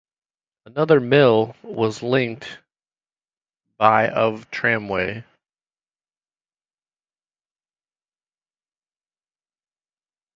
Another mill was linked by of tramway.